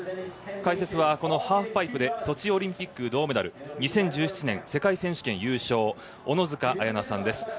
解説はハーフパイプでソチオリンピック銅メダル２０１７年世界選手権優勝小野塚彩那さんです。